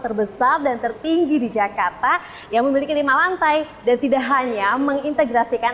terbesar dan tertinggi di jakarta yang memiliki lima lantai dan tidak hanya mengintegrasikan